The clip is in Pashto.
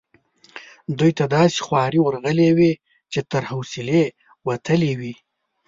دوی ته داسي خوارې ورغلي وې چې تر حوصلې وتلې وي.